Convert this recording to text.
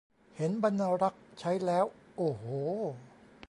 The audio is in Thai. เห็นบรรณารักษ์ใช้แล้ว โอ้โห